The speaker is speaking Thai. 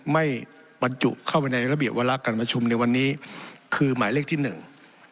ไม่บรรจุเข้าไปในระเบียบวาระการประชุมในวันนี้คือหมายเลขที่หนึ่ง